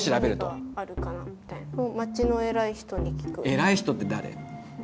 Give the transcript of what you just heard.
えらい人って誰？